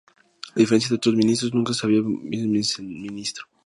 A diferencia de otros ministerios, nunca ha habido un viceministro.